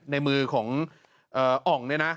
ในมือของอ่องเนี่ยนะ